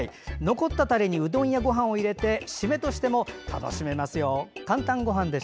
残ったタレにうどんやごはんを入れて締めとしても楽しめますよ。